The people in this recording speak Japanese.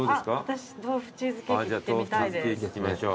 私豆腐チーズケーキいってみたいです。